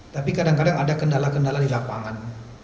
tapi kadang kadang ada kendala kendala di lapangan